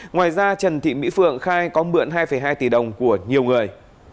ngoài ra trần thị mỹ phượng khai có mượn hai hai tỷ đồng của nhiều người